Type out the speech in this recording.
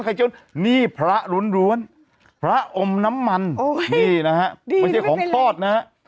ไข่เจียวนี่พระหลวนพระอมน้ำมันโอ้โหนี่นะฮะไม่ใช่ของพลอดนะฮะ